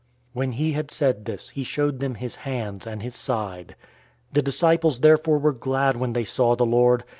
020:020 When he had said this, he showed them his hands and his side. The disciples therefore were glad when they saw the Lord.